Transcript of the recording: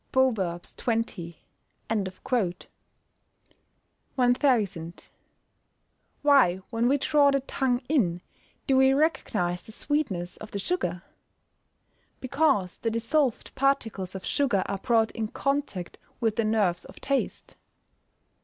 PROVERBS XX.] 1000. Why, when we draw the tongue in, do we recognise the sweetness of the sugar? Because the dissolved particles of sugar are brought in contact with the nerves of taste.